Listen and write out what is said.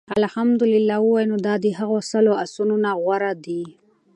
اَلْحَمْدُ لِلَّه ووايي، نو دا د هغو سلو آسونو نه غوره دي